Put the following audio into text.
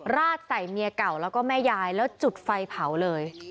ราดใส่เมียเก่าแล้วก็แม่ยายแล้วจุดไฟเผาเลย